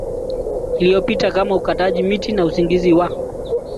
iliyopita kama ukataji miti na usingizi wa